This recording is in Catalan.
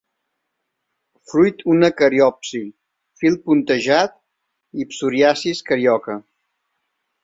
Fruit una cariopsi; fil puntejat i psoriasi carioca.